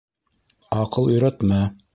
— Аҡыл өйрәтмә!